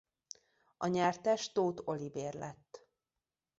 A nyertes Tóth Olivér lett.